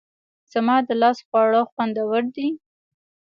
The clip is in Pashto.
زما د لاس خواړه خوندور دي